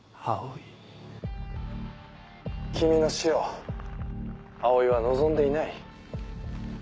君の死を葵は望んでいない。